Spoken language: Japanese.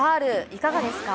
いかがですか？